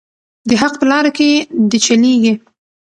د حق په لاره کې دې چلیږي.